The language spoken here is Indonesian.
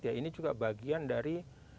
ya ini juga bagian dari